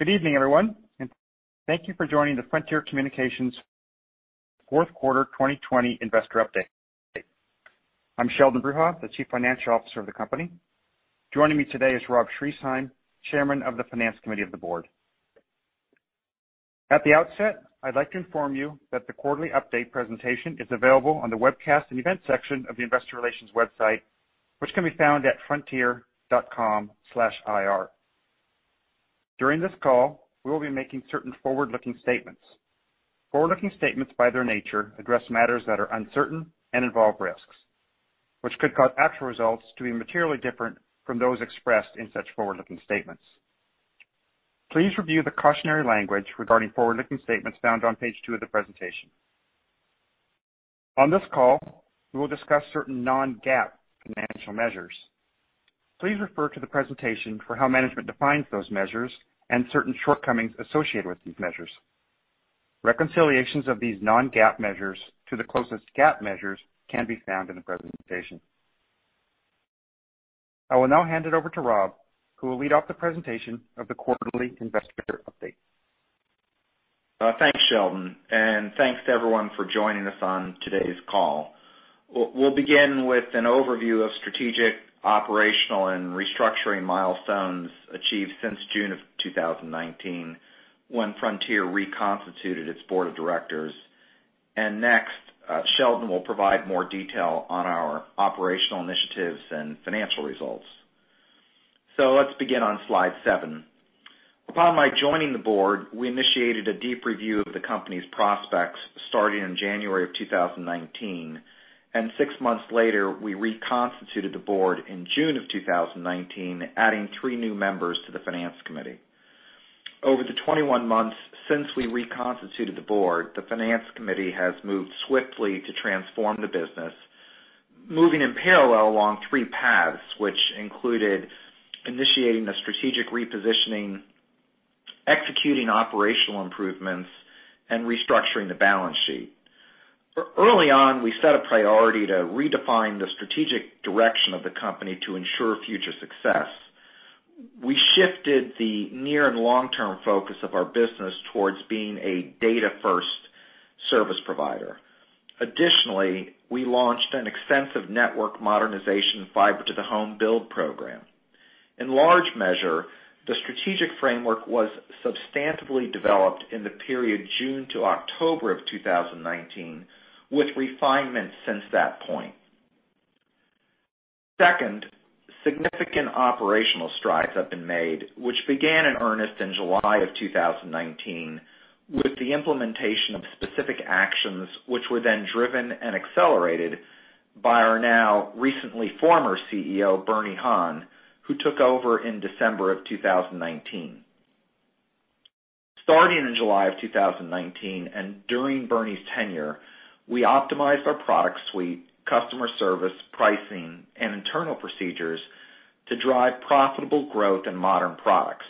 Good evening, everyone, and thank you for joining the Frontier Communications Fourth Quarter 2020 Investor Update. I'm Sheldon Bruha, the CFO of the company. Joining me today is Rob Schriesheim, Chairman of the Finance Committee of the Board. At the outset, I'd like to inform you that the quarterly update presentation is available on the webcast and event section of the Investor Relations website, which can be found at frontier.com/ir. During this call, we will be making certain forward-looking statements. Forward-looking statements, by their nature, address matters that are uncertain and involve risks, which could cause actual results to be materially different from those expressed in such forward-looking statements. Please review the cautionary language regarding forward-looking statements found on page two of the presentation. On this call, we will discuss certain non-GAAP financial measures. Please refer to the presentation for how management defines those measures and certain shortcomings associated with these measures. Reconciliations of these non-GAAP measures to the closest GAAP measures can be found in the presentation. I will now hand it over to Rob, who will lead off the presentation of the quarterly investor update. Thanks, Sheldon, and thanks to everyone for joining us on today's call. We'll begin with an overview of strategic, operational, and restructuring milestones achieved since June of 2019 when Frontier reconstituted its board of directors. And next, Sheldon will provide more detail on our operational initiatives and financial results. So let's begin on Slide seven. Upon my joining the board, we initiated a deep review of the company's prospects starting in January of 2019, and six months later, we reconstituted the board in June of 2019, adding three new members to the Finance Committee. Over the 21 months since we reconstituted the board, the Finance Committee has moved swiftly to transform the business, moving in parallel along three paths, which included initiating a strategic repositioning, executing operational improvements, and restructuring the balance sheet. Early on, we set a priority to redefine the strategic direction of the company to ensure future success. We shifted the near and long-term focus of our business towards being a data-first service provider. Additionally, we launched an extensive network modernization fiber-to-the-home build program. In large measure, the strategic framework was substantively developed in the period June to October of 2019, with refinements since that point. Second, significant operational strides have been made, which began in earnest in July of 2019 with the implementation of specific actions, which were then driven and accelerated by our now recently former CEO, Bernie Han, who took over in December of 2019. Starting in July of 2019 and during Bernie's tenure, we optimized our product suite, customer service, pricing, and internal procedures to drive profitable growth and modern products.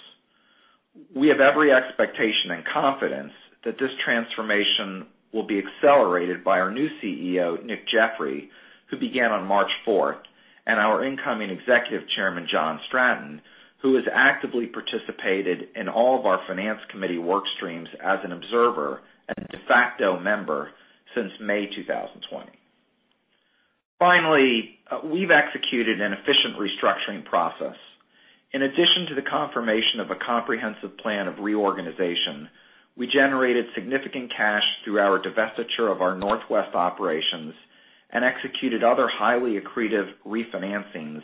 We have every expectation and confidence that this transformation will be accelerated by our new CEO, Nick Jeffery, who began on March 4th, and our incoming Executive Chairman, John Stratton, who has actively participated in all of our Finance Committee workstreams as an observer and de facto member since May 2020. Finally, we've executed an efficient restructuring process. In addition to the confirmation of a comprehensive plan of reorganization, we generated significant cash through our divestiture of our Northwest operations and executed other highly accretive refinancings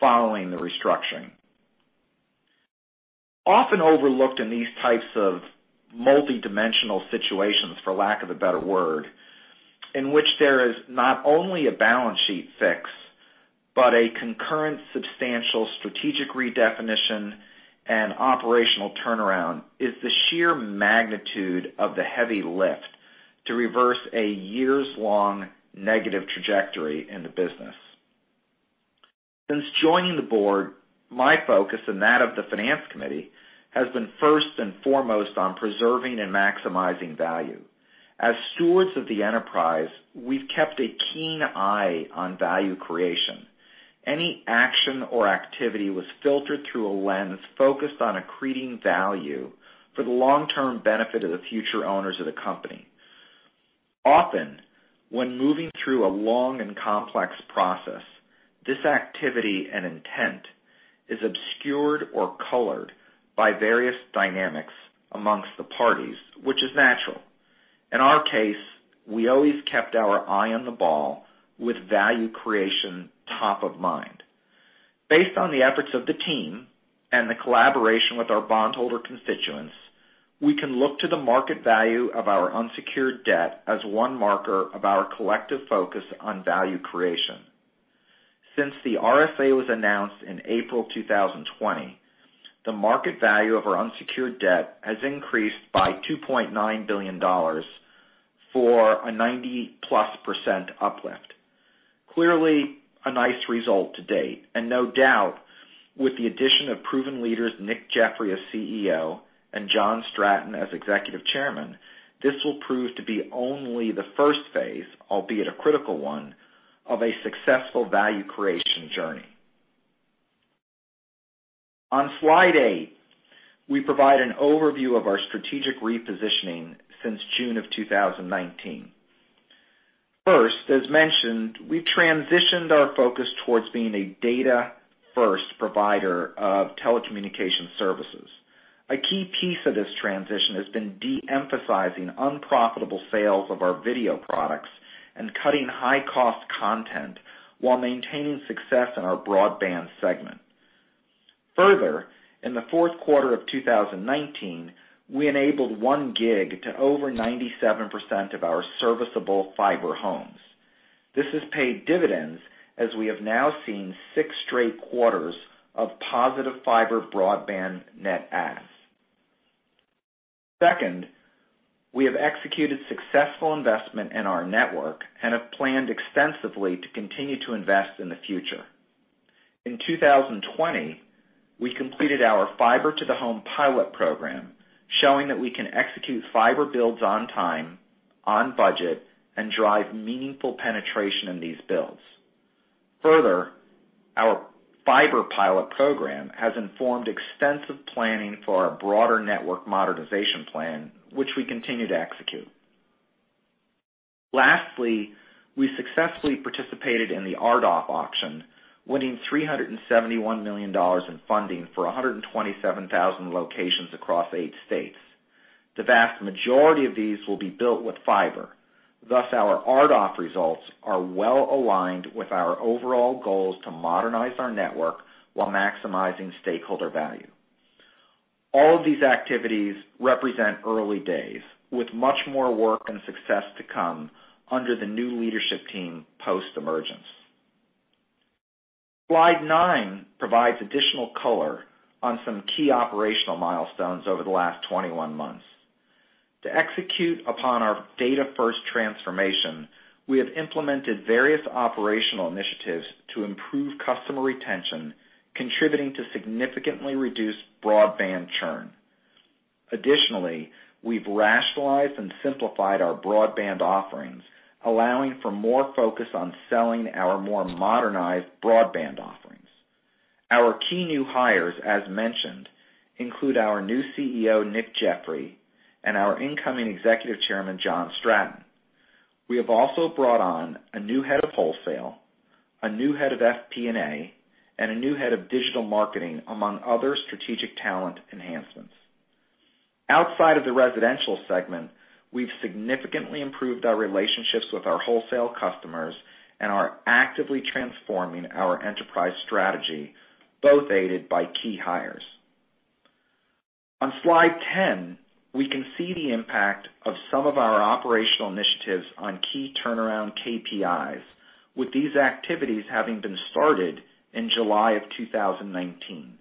following the restructuring. Often overlooked in these types of multidimensional situations, for lack of a better word, in which there is not only a balance sheet fix but a concurrent substantial strategic redefinition and operational turnaround, is the sheer magnitude of the heavy lift to reverse a years-long negative trajectory in the business. Since joining the board, my focus and that of the Finance Committee has been first and foremost on preserving and maximizing value. As stewards of the enterprise, we've kept a keen eye on value creation. Any action or activity was filtered through a lens focused on accreting value for the long-term benefit of the future owners of the company. Often, when moving through a long and complex process, this activity and intent is obscured or colored by various dynamics amongst the parties, which is natural. In our case, we always kept our eye on the ball with value creation top of mind. Based on the efforts of the team and the collaboration with our bondholder constituents, we can look to the market value of our unsecured debt as one marker of our collective focus on value creation. Since the RSA was announced in April 2020, the market value of our unsecured debt has increased by $2.9 billion for a 90-plus% uplift. Clearly, a nice result to date, and no doubt, with the addition of proven leaders Nick Jeffery as CEO and John Stratton as Executive Chairman, this will prove to be only the first phase, albeit a critical one, of a successful value creation journey. On Slide eight, we provide an overview of our strategic repositioning since June of 2019. First, as mentioned, we've transitioned our focus towards being a data-first provider of telecommunication services. A key piece of this transition has been de-emphasizing unprofitable sales of our video products and cutting high-cost content while maintaining success in our broadband segment. Further, in the fourth quarter of 2019, we enabled One Gig to over 97% of our serviceable fiber homes. This has paid dividends as we have now seen six straight quarters of positive fiber broadband net adds. Second, we have executed successful investment in our network and have planned extensively to continue to invest in the future. In 2020, we completed our fiber-to-the-home pilot program, showing that we can execute fiber builds on time, on budget, and drive meaningful penetration in these builds. Further, our fiber pilot program has informed extensive planning for our broader network modernization plan, which we continue to execute. Lastly, we successfully participated in the RDOF auction, winning $371 million in funding for 127,000 locations across eight states. The vast majority of these will be built with fiber. Thus, our RDOF results are well aligned with our overall goals to modernize our network while maximizing stakeholder value. All of these activities represent early days, with much more work and success to come under the new leadership team post-emergence. Slide nine provides additional color on some key operational milestones over the last 21 months. To execute upon our data-first transformation, we have implemented various operational initiatives to improve customer retention, contributing to significantly reduced broadband churn. Additionally, we've rationalized and simplified our broadband offerings, allowing for more focus on selling our more modernized broadband offerings. Our key new hires, as mentioned, include our new CEO, Nick Jeffery, and our incoming Executive Chairman, John Stratton. We have also brought on a new head of wholesale, a new head of FP&A, and a new head of digital marketing, among other strategic talent enhancements. Outside of the residential segment, we've significantly improved our relationships with our wholesale customers and are actively transforming our enterprise strategy, both aided by key hires. On Slide 10, we can see the impact of some of our operational initiatives on key turnaround KPIs, with these activities having been started in July of 2019.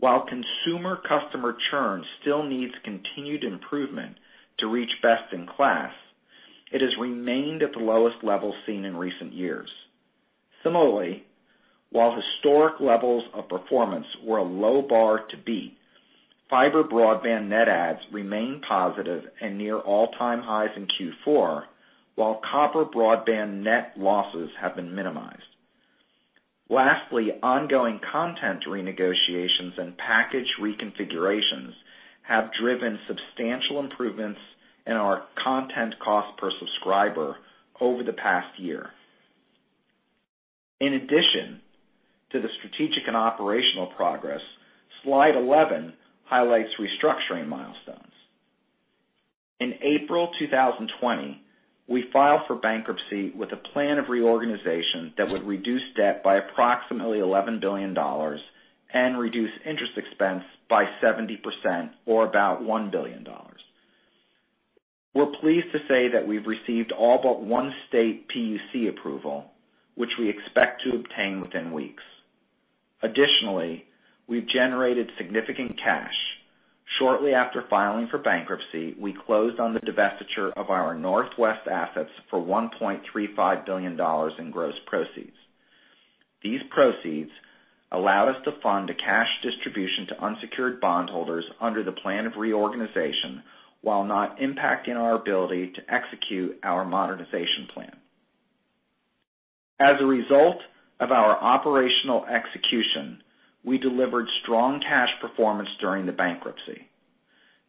While consumer customer churn still needs continued improvement to reach best in class, it has remained at the lowest level seen in recent years. Similarly, while historic levels of performance were a low bar to beat, fiber broadband net adds remain positive and near all-time highs in Q4, while copper broadband net losses have been minimized. Lastly, ongoing content renegotiations and package reconfigurations have driven substantial improvements in our content cost per subscriber over the past year. In addition to the strategic and operational progress, Slide 11 highlights restructuring milestones. In April 2020, we filed for bankruptcy with a plan of reorganization that would reduce debt by approximately $11 billion and reduce interest expense by 70%, or about $1 billion. We're pleased to say that we've received all but one state PUC approval, which we expect to obtain within weeks. Additionally, we've generated significant cash. Shortly after filing for bankruptcy, we closed on the divestiture of our Northwest assets for $1.35 billion in gross proceeds. These proceeds allowed us to fund a cash distribution to unsecured bondholders under the plan of reorganization while not impacting our ability to execute our modernization plan. As a result of our operational execution, we delivered strong cash performance during the bankruptcy.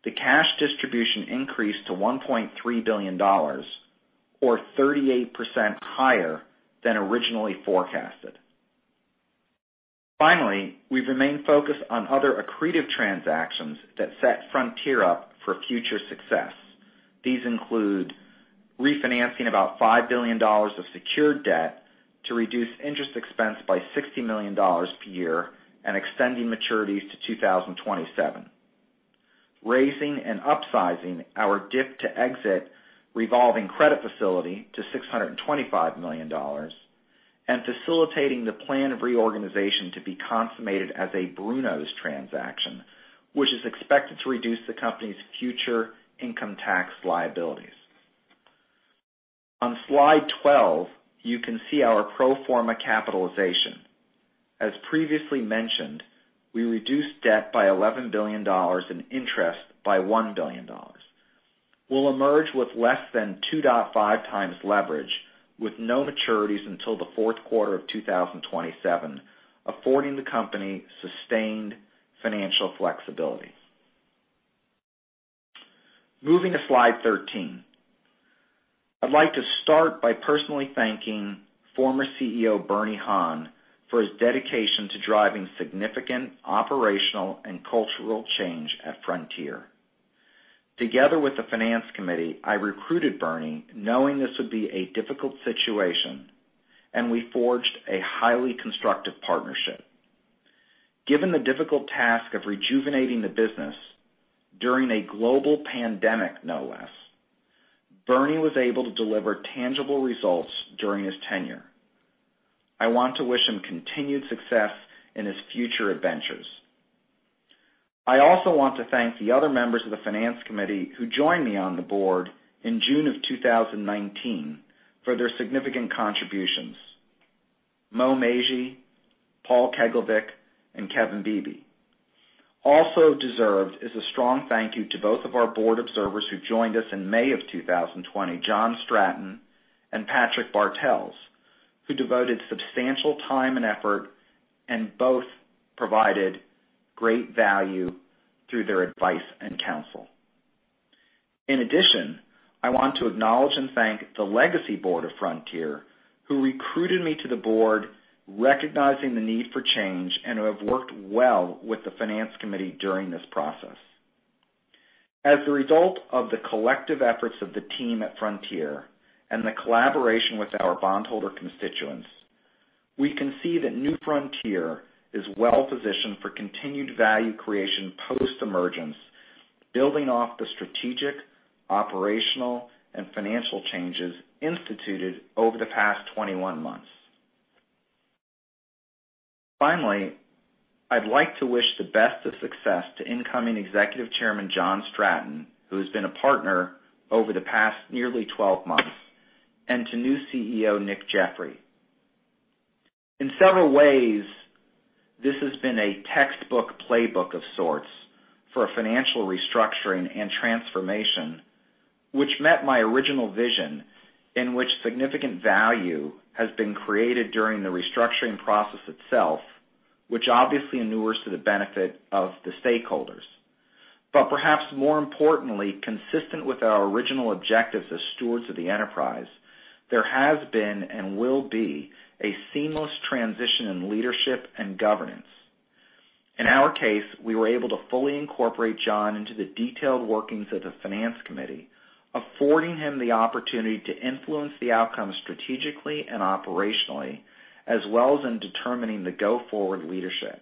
The cash distribution increased to $1.3 billion, or 38% higher than originally forecasted. Finally, we've remained focused on other accretive transactions that set Frontier up for future success. These include refinancing about $5 billion of secured debt to reduce interest expense by $60 million per year and extending maturities to 2027, raising and upsizing our DIP-to-exit revolving credit facility to $625 million, and facilitating the plan of reorganization to be consummated as a prepackaged transaction, which is expected to reduce the company's future income tax liabilities. On Slide 12, you can see our pro forma capitalization. As previously mentioned, we reduced debt by $11 billion and interest by $1 billion. We'll emerge with less than 2.5 times leverage, with no maturities until the fourth quarter of 2027, affording the company sustained financial flexibility. Moving to Slide 13, I'd like to start by personally thanking former CEO Bernie Han for his dedication to driving significant operational and cultural change at Frontier. Together with the Finance Committee, I recruited Bernie knowing this would be a difficult situation, and we forged a highly constructive partnership. Given the difficult task of rejuvenating the business during a global pandemic, no less, Bernie was able to deliver tangible results during his tenure. I want to wish him continued success in his future adventures. I also want to thank the other members of the Finance Committee who joined me on the board in June of 2019 for their significant contributions: Mo Meghji, Paul Keglevic, and Kevin Beebe. Also deserved is a strong thank you to both of our board observers who joined us in May of 2020, John Stratton and Patrick Bartels, who devoted substantial time and effort and both provided great value through their advice and counsel. In addition, I want to acknowledge and thank the legacy board of Frontier who recruited me to the board, recognizing the need for change, and have worked well with the Finance Committee during this process. As a result of the collective efforts of the team at Frontier and the collaboration with our bondholder constituents, we can see that new Frontier is well positioned for continued value creation post-emergence, building off the strategic, operational, and financial changes instituted over the past 21 months. Finally, I'd like to wish the best of success to incoming Executive Chairman John Stratton, who has been a partner over the past nearly 12 months, and to new CEO Nick Jeffery. In several ways, this has been a textbook playbook of sorts for a financial restructuring and transformation, which met my original vision in which significant value has been created during the restructuring process itself, which obviously inures to the benefit of the stakeholders, but perhaps more importantly, consistent with our original objectives as stewards of the enterprise, there has been and will be a seamless transition in leadership and governance. In our case, we were able to fully incorporate John into the detailed workings of the Finance Committee, affording him the opportunity to influence the outcome strategically and operationally, as well as in determining the go-forward leadership.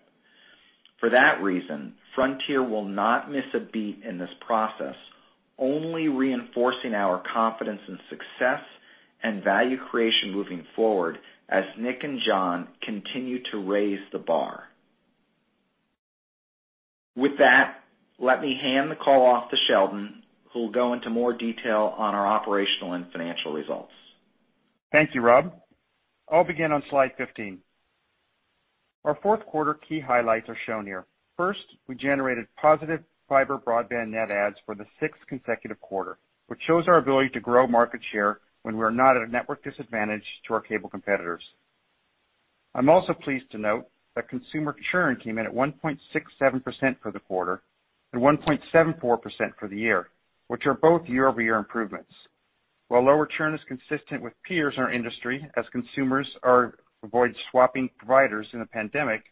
For that reason, Frontier will not miss a beat in this process, only reinforcing our confidence in success and value creation moving forward as Nick and John continue to raise the bar. With that, let me hand the call off to Sheldon, who'll go into more detail on our operational and financial results. Thank you, Rob. I'll begin on Slide 15. Our fourth quarter key highlights are shown here. First, we generated positive fiber broadband net adds for the sixth consecutive quarter, which shows our ability to grow market share when we are not at a network disadvantage to our cable competitors. I'm also pleased to note that consumer churn came in at 1.67% for the quarter and 1.74% for the year, which are both year-over-year improvements. While lower churn is consistent with peers in our industry, as consumers avoided swapping providers in the pandemic,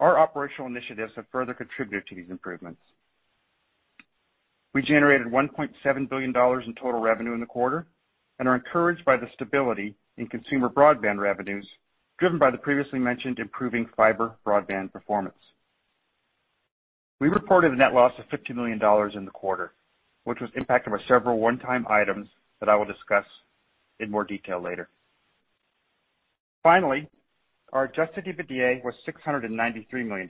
our operational initiatives have further contributed to these improvements. We generated $1.7 billion in total revenue in the quarter and are encouraged by the stability in consumer broadband revenues driven by the previously mentioned improving fiber broadband performance. We reported a net loss of $50 million in the quarter, which was impacted by several one-time items that I will discuss in more detail later. Finally, our Adjusted EBITDA was $693 million,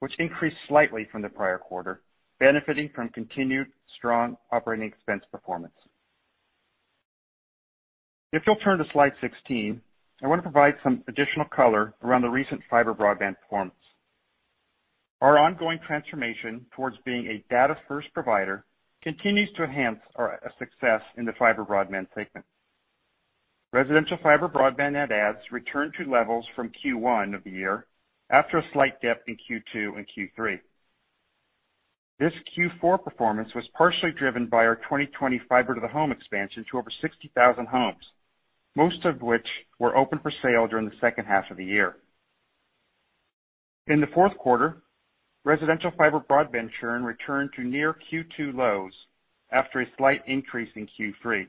which increased slightly from the prior quarter, benefiting from continued strong operating expense performance. If you'll turn to Slide 16, I want to provide some additional color around the recent fiber broadband performance. Our ongoing transformation towards being a data-first provider continues to enhance our success in the fiber broadband segment. Residential fiber broadband net adds returned to levels from Q1 of the year after a slight dip in Q2 and Q3. This Q4 performance was partially driven by our 2020 fiber-to-the-home expansion to over 60,000 homes, most of which were open for sale during the second half of the year. In the fourth quarter, residential fiber broadband churn returned to near Q2 lows after a slight increase in Q3.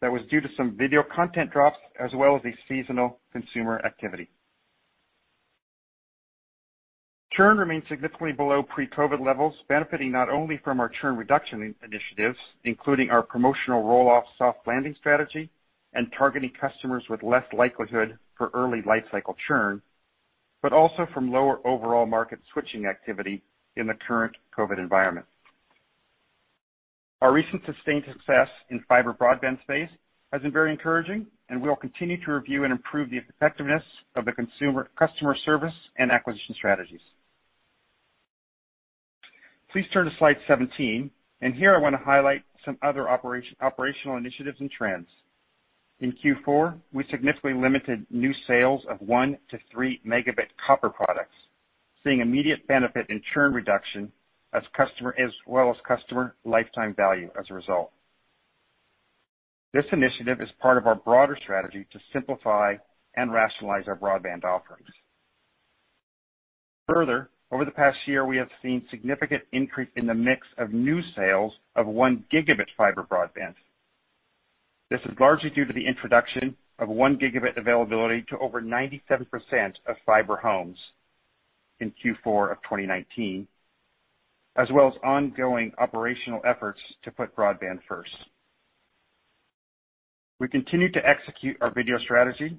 That was due to some video content drops as well as seasonal consumer activity. Churn remained significantly below pre-COVID levels, benefiting not only from our churn reduction initiatives, including our promotional roll-off soft landing strategy and targeting customers with less likelihood for early life cycle churn, but also from lower overall market switching activity in the current COVID environment. Our recent sustained success in the fiber broadband space has been very encouraging, and we'll continue to review and improve the effectiveness of the customer service and acquisition strategies. Please turn to Slide 17, and here I want to highlight some other operational initiatives and trends. In Q4, we significantly limited new sales of one to three megabit copper products, seeing immediate benefit in churn reduction as well as customer lifetime value as a result. This initiative is part of our broader strategy to simplify and rationalize our broadband offerings. Further, over the past year, we have seen a significant increase in the mix of new sales of one gigabit fiber broadband. This is largely due to the introduction of one gigabit availability to over 97% of fiber homes in Q4 of 2019, as well as ongoing operational efforts to put broadband first. We continue to execute our video strategy,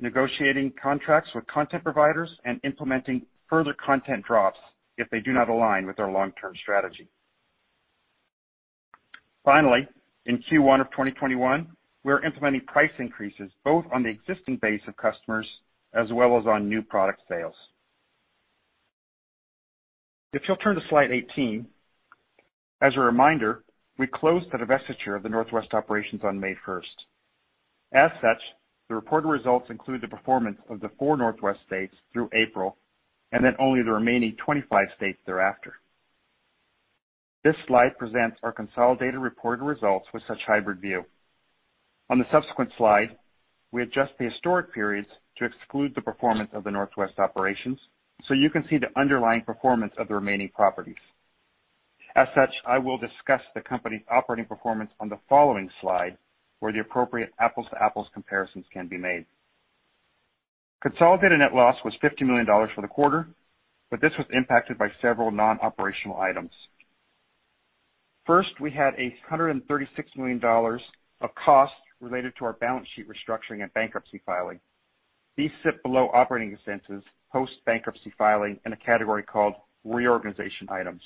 negotiating contracts with content providers and implementing further content drops if they do not align with our long-term strategy. Finally, in Q1 of 2021, we're implementing price increases both on the existing base of customers as well as on new product sales. If you'll turn to Slide 18, as a reminder, we closed the divestiture of the Northwest operations on May first. As such, the reported results include the performance of the four Northwest states through April and then only the remaining 25 states thereafter. This slide presents our consolidated reported results with such hybrid view. On the subsequent slide, we adjust the historic periods to exclude the performance of the Northwest operations so you can see the underlying performance of the remaining properties. As such, I will discuss the company's operating performance on the following slide, where the appropriate apples-to-apples comparisons can be made. Consolidated net loss was $50 million for the quarter, but this was impacted by several non-operational items. First, we had a $136 million of costs related to our balance sheet restructuring and bankruptcy filing. These sit below operating expenses post-bankruptcy filing in a category called reorganization items.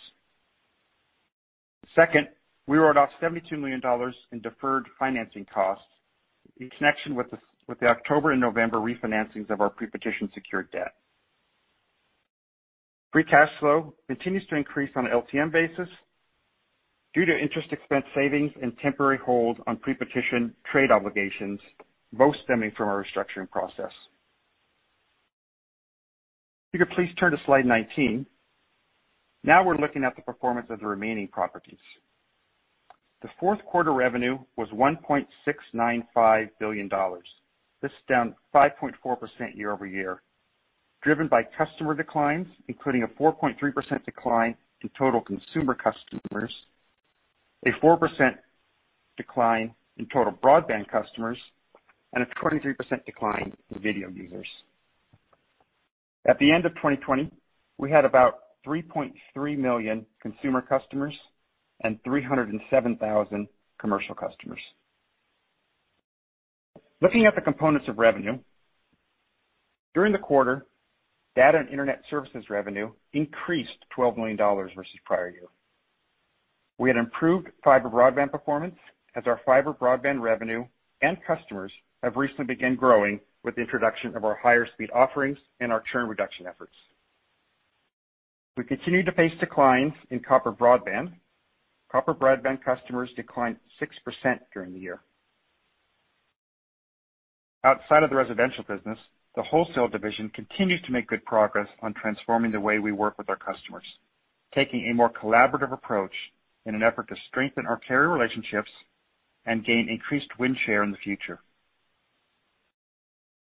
Second, we wrote off $72 million in deferred financing costs in connection with the October and November refinancings of our pre-petition secured debt. Free cash flow continues to increase on an LTM basis due to interest expense savings and temporary holds on pre-petition trade obligations, both stemming from our restructuring process. If you could please turn to Slide 19. Now we're looking at the performance of the remaining properties. The fourth quarter revenue was $1.695 billion. This is down 5.4% year-over-year, driven by customer declines, including a 4.3% decline in total consumer customers, a 4% decline in total broadband customers, and a 23% decline in video users. At the end of 2020, we had about 3.3 million consumer customers and 307,000 commercial customers. Looking at the components of revenue, during the quarter, data and internet services revenue increased $12 million versus prior year. We had improved fiber broadband performance as our fiber broadband revenue and customers have recently begun growing with the introduction of our higher speed offerings and our churn reduction efforts. We continued to face declines in copper broadband. Copper broadband customers declined 6% during the year. Outside of the residential business, the wholesale division continues to make good progress on transforming the way we work with our customers, taking a more collaborative approach in an effort to strengthen our carrier relationships and gain increased market share in the future.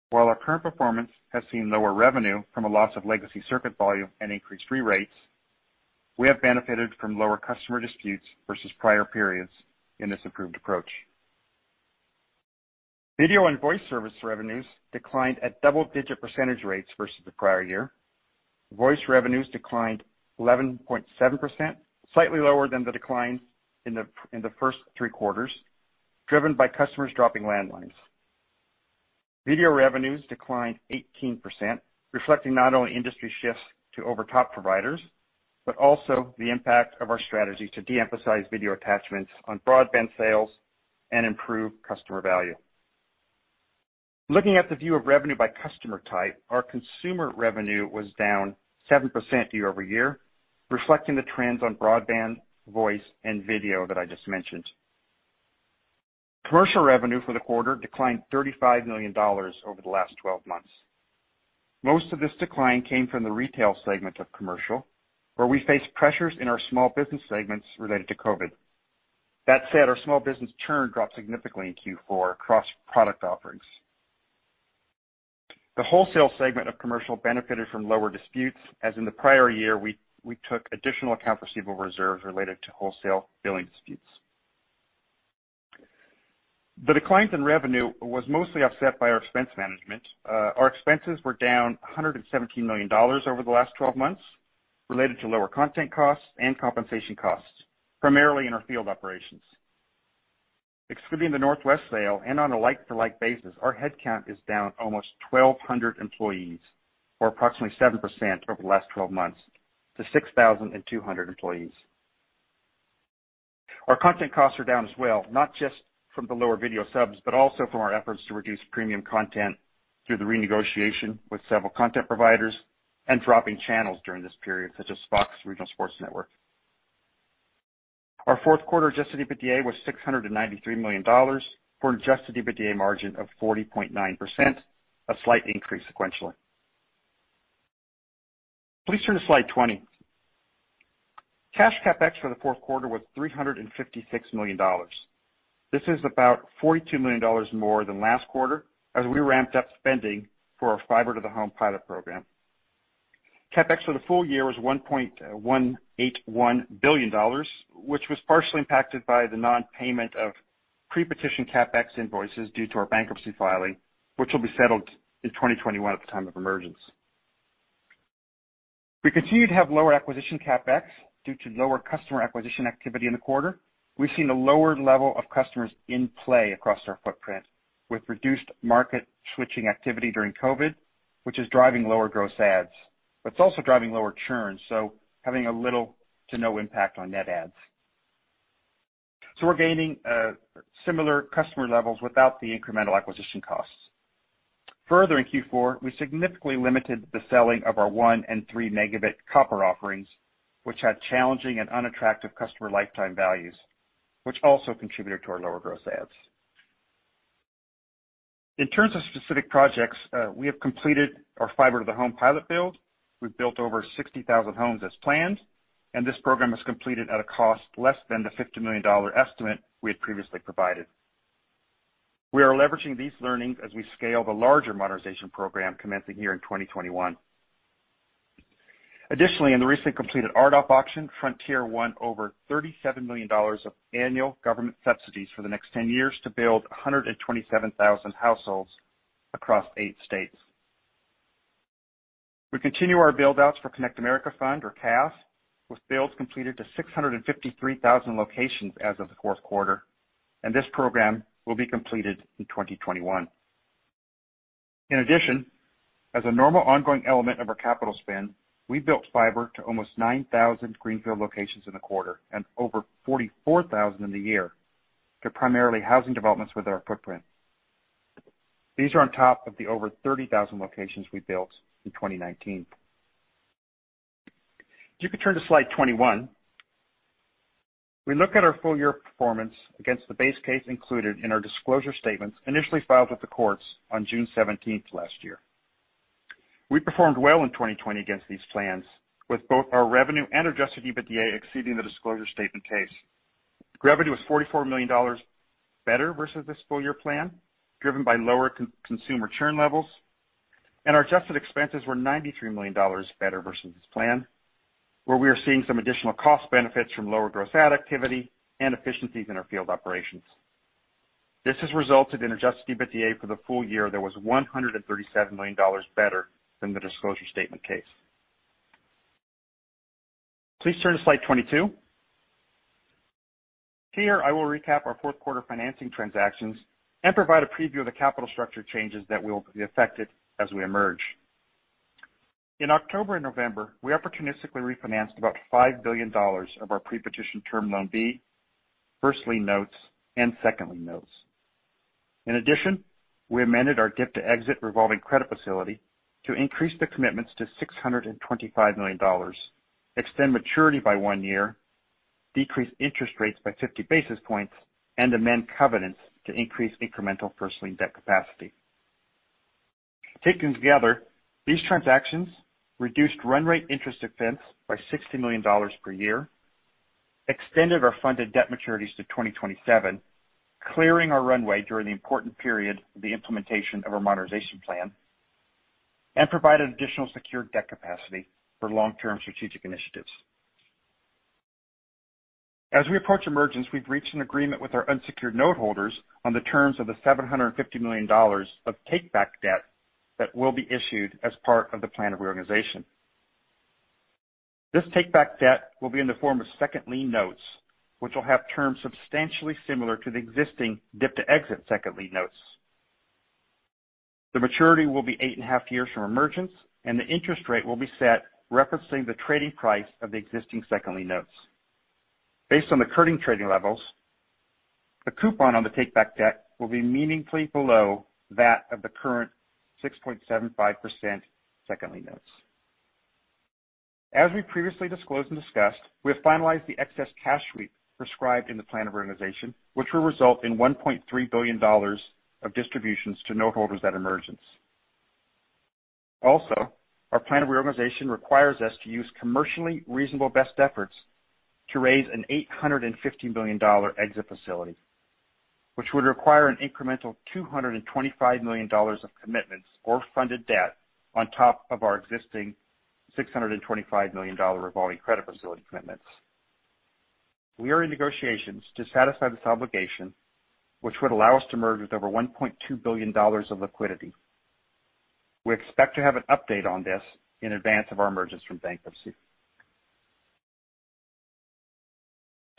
While our current performance has seen lower revenue from a loss of legacy circuit volume and increased re-rates, we have benefited from lower customer disputes versus prior periods in this improved approach. Video and voice service revenues declined at double-digit percentage rates versus the prior year. Voice revenues declined 11.7%, slightly lower than the decline in the first three quarters, driven by customers dropping landlines. Video revenues declined 18%, reflecting not only industry shifts to over-the-top providers but also the impact of our strategy to de-emphasize video attachments on broadband sales and improve customer value. Looking at the view of revenue by customer type, our consumer revenue was down 7% year-over-year, reflecting the trends on broadband, voice, and video that I just mentioned. Commercial revenue for the quarter declined $35 million over the last 12 months. Most of this decline came from the retail segment of commercial, where we faced pressures in our small business segments related to COVID. That said, our small business churn dropped significantly in Q4 across product offerings. The wholesale segment of commercial benefited from lower disputes, as in the prior year, we took additional accounts receivable reserves related to wholesale billing disputes. The decline in revenue was mostly offset by our expense management. Our expenses were down $117 million over the last 12 months related to lower content costs and compensation costs, primarily in our field operations. Excluding the Northwest sale and on a like-for-like basis, our headcount is down almost 1,200 employees, or approximately 7% over the last 12 months, to 6,200 employees. Our content costs are down as well, not just from the lower video subs but also from our efforts to reduce premium content through the renegotiation with several content providers and dropping channels during this period, such as FOX Regional Sports Network. Our fourth quarter Adjusted EBITDA was $693 million, for an Adjusted EBITDA margin of 40.9%, a slight increase sequentially. Please turn to Slide 20. Cash CapEx for the fourth quarter was $356 million. This is about $42 million more than last quarter as we ramped up spending for our fiber-to-the-home pilot program. CapEx for the full year was $1.181 billion, which was partially impacted by the nonpayment of pre-petition CapEx invoices due to our bankruptcy filing, which will be settled in 2021 at the time of emergence. We continue to have lower acquisition CapEx due to lower customer acquisition activity in the quarter. We've seen a lower level of customers in play across our footprint, with reduced market switching activity during COVID, which is driving lower gross adds. It's also driving lower churn, so having a little to no impact on net adds. So we're gaining similar customer levels without the incremental acquisition costs. Further, in Q4, we significantly limited the selling of our one and three megabit copper offerings, which had challenging and unattractive customer lifetime values, which also contributed to our lower gross adds. In terms of specific projects, we have completed our fiber-to-the-home pilot build. We've built over 60,000 homes as planned, and this program was completed at a cost less than the $50 million estimate we had previously provided. We are leveraging these learnings as we scale the larger modernization program commencing here in 2021. Additionally, in the recently completed RDOF auction, Frontier won over $37 million of annual government subsidies for the next 10 years to build 127,000 households across eight states. We continue our build-outs for Connect America Fund, or CAF, with builds completed to 653,000 locations as of the fourth quarter, and this program will be completed in 2021. In addition, as a normal ongoing element of our capital spend, we built fiber to almost 9,000 greenfield locations in the quarter and over 44,000 in the year to primarily housing developments within our footprint. These are on top of the over 30,000 locations we built in 2019. If you could turn to Slide 21. We look at our full year performance against the base case included in our disclosure statements initially filed with the courts on June 17th last year. We performed well in 2020 against these plans, with both our revenue and Adjusted EBITDA exceeding the disclosure statement case. Revenue was $44 million better versus this full year plan, driven by lower consumer churn levels, and our adjusted expenses were $93 million better versus this plan, where we are seeing some additional cost benefits from lower gross ad activity and efficiencies in our field operations. This has resulted in Adjusted EBITDA for the full year that was $137 million better than the disclosure statement case. Please turn to Slide 22. Here, I will recap our fourth quarter financing transactions and provide a preview of the capital structure changes that will be affected as we emerge. In October and November, we opportunistically refinanced about $5 billion of our pre-petition Term Loan B, first-lien notes, and second-lien notes. In addition, we amended our DIP-to-exit revolving credit facility to increase the commitments to $625 million, extend maturity by one year, decrease interest rates by 50 basis points, and amend covenants to increase incremental first-lien debt capacity. Taken together, these transactions reduced run rate interest expense by $60 million per year, extended our funded debt maturities to 2027, clearing our runway during the important period of the implementation of our modernization plan, and provided additional secured debt capacity for long-term strategic initiatives. As we approach emergence, we've reached an agreement with our unsecured note holders on the terms of the $750 million of take-back debt that will be issued as part of the plan of reorganization. This take-back debt will be in the form of second-lien notes, which will have terms substantially similar to the existing DIP-to-exit second-lien notes. The maturity will be eight and a half years from emergence, and the interest rate will be set referencing the trading price of the existing second-lien notes. Based on the current trading levels, the coupon on the take-back debt will be meaningfully below that of the current 6.75% second-lien notes. As we previously disclosed and discussed, we have finalized the excess cash sweep prescribed in the plan of reorganization, which will result in $1.3 billion of distributions to note holders at emergence. Also, our plan of reorganization requires us to use commercially reasonable best efforts to raise an $850 million exit facility, which would require an incremental $225 million of commitments or funded debt on top of our existing $625 million revolving credit facility commitments. We are in negotiations to satisfy this obligation, which would allow us to emerge with over $1.2 billion of liquidity. We expect to have an update on this in advance of our emergence from bankruptcy.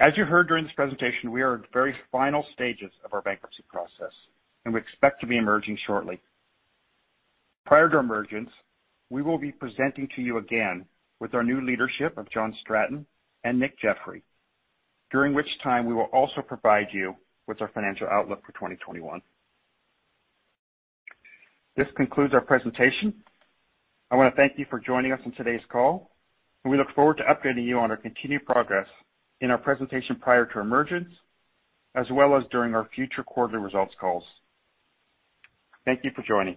As you heard during this presentation, we are in very final stages of our bankruptcy process, and we expect to be emerging shortly. Prior to emergence, we will be presenting to you again with our new leadership of John Stratton and Nick Jeffery, during which time we will also provide you with our financial outlook for 2021. This concludes our presentation. I want to thank you for joining us on today's call, and we look forward to updating you on our continued progress in our presentation prior to emergence, as well as during our future quarterly results calls. Thank you for joining.